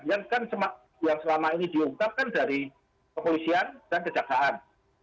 yang kan yang selama ini diungkapkan dari kepolisian dan kejaksaan